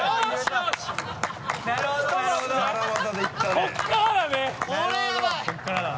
ここからだね。